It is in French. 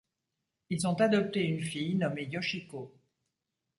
Ils ont adopté une fille nommée Yoshiko.